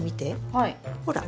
ほら。